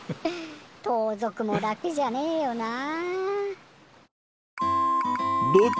とうぞくも楽じゃねえよな。